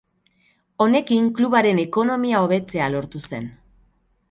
Honekin klubaren ekonomia hobetzea lortu zen.